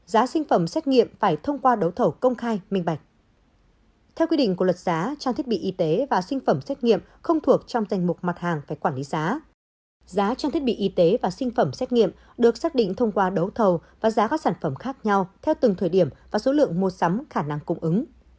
giá cho thiết bị y tế và sinh phẩm xét nghiệm được xác định thông qua đấu thầu và giá các sản phẩm khác nhau theo từng thời điểm và số lượng mua sắm khả năng cung ứng